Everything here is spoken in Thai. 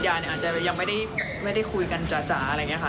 เรื่องมันอาจจะยังไม่ได้คุยกันจะอะไรยังไงค่ะ